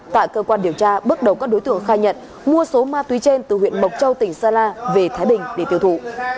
tại cơ quan điều tra bước đầu các đối tượng khai nhận mua số ma túy trên từ huyện mộc châu tỉnh sơn la về thái bình để tiêu thụ